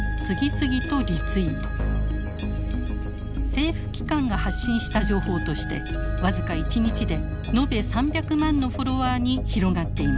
政府機関が発信した情報として僅か１日で延べ３００万のフォロワーに広がっていました。